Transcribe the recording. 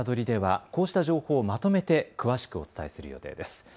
ではこうした情報をまとめて詳しくお伝えする予定です。